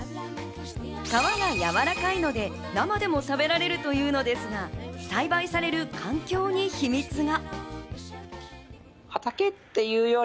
皮がやわらかいので生でも食べられるというのですが、栽培される環境に秘密が。